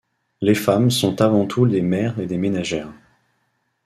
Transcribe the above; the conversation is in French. Les femmes sont avant tout des mères et des ménagères.